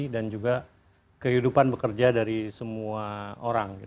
juga kehidupan bekerja dari semua orang